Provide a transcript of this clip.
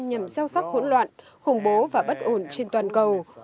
nhằm gieo sắc hỗn loạn khủng bố và bất ổn trên toàn cầu